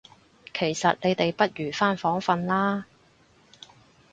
其實你哋不如返房訓啦